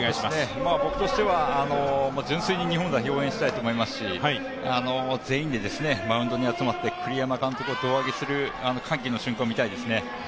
僕としては、純粋に日本代表を応援したいと思いますし全員でマウンドに集まって栗山監督を胴上げする歓喜の瞬間を見たいですね。